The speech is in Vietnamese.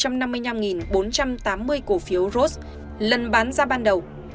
cơ quan công tố chứng minh được có ba mươi năm bốn trăm tám mươi cổ phiếu rots lần bán ra ban đầu